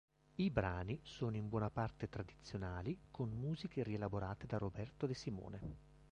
I brani sono in buona parte tradizionali con musiche rielaborate da Roberto De Simone.